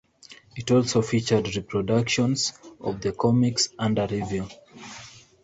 It also featured reproductions of the comics under review.